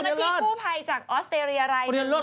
สำหรับที่กู้ภัยจากออสเตรียไลน์นึงค่ะ